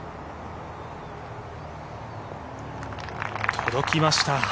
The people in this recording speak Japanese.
届きました。